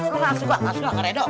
lo langsung lah keredo